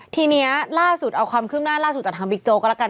ทีนี้ล่าสุดเอาความคืบหน้าล่าสุดจากทางบิ๊กโจ๊ก็แล้วกัน